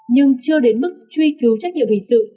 nhưng chưa đến mức truy cứu trách nhiệm hình sự